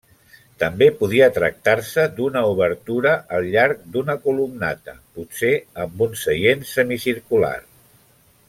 També podia tractar-se d'una obertura al llarg d'una columnata, potser amb un seient semicircular.